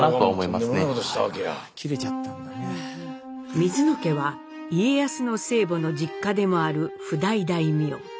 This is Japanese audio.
水野家は家康の生母の実家でもある譜代大名。